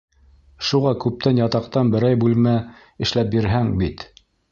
Шуға күптән ятаҡтан берәй бүлмә эшләп бирһәң бит...